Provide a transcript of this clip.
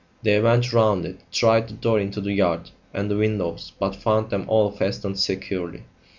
They went round it, tried the door into the yard, and the windows, but found them all fastened securely.